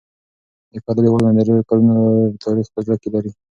د کلا دېوالونه د ډېرو کلونو تاریخ په زړه کې لري.